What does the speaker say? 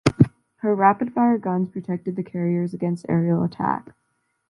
Her rapid-fire guns protected the carriers against aerial attack.